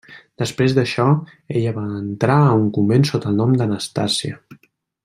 Després d'això, ella va entrar a un convent sota el nom d'Anastàsia.